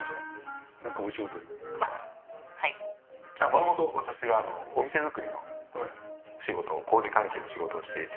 元々私があのお店作りの仕事を工事関係の仕事をしていて。